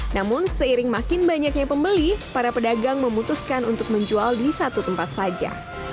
namun seiring makin banyaknya pembeli para pedagang memutuskan untuk menjual di satu tempat saja